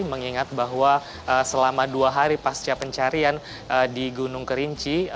mengingat bahwa selama dua hari pasca pencarian di gunung kerinci